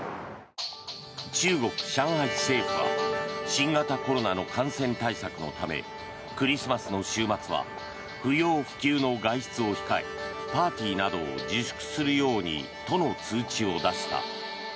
中国・上海市政府は新型コロナの感染対策のためクリスマスの週末は不要不急の外出を控えパーティーなどを自粛するようにとの通知を出した。